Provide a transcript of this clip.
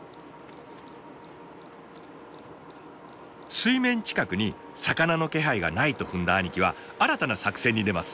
水面近くに魚の気配がないと踏んだ兄貴は新たな作戦に出ます。